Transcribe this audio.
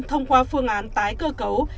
thông qua phương án tái cơ cấu